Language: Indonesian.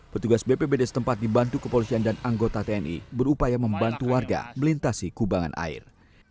petugas bpbd setempat dibantu kepolisian dan anggota tni berupaya membantu warga melintasi kubangan air